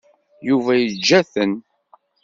Yuba yeǧǧa-ten.